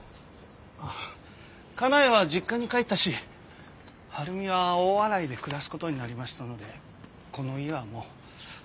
あ家内は実家に帰ったし晴美は大洗で暮らす事になりましたのでこの家はもう。